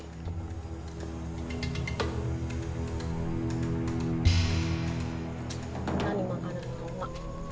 nanti makanan lama